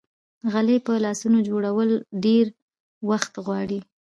غلۍ په لاسو جوړول ډېر وخت غواړي.